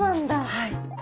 はい。